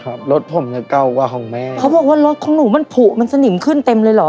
รถผมเนี้ยเก่ากว่าของแม่เขาบอกว่ารถของหนูมันผูกมันสนิมขึ้นเต็มเลยเหรอ